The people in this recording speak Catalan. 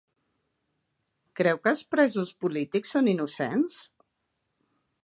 Creu que els presos polítics són innocents?